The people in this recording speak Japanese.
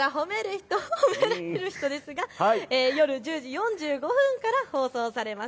ひと褒められるひとですが夜１０時４５分から放送されます。